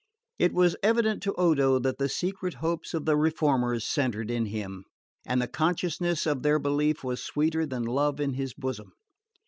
It was evident to Odo that the secret hopes of the reformers centred in him, and the consciousness of their belief was sweeter than love in his bosom.